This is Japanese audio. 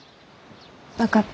分かった。